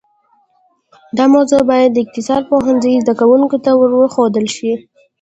دا موضوع باید د اقتصاد پوهنځي زده کونکو ته ورښودل شي